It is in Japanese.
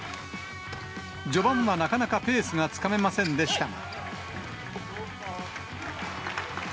序盤はなかなかペースがつかめませんでしたが。